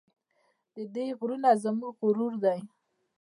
د دې غرونه زموږ غرور دی؟